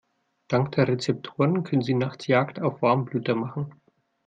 Dank der Rezeptoren können sie nachts Jagd auf Warmblüter machen.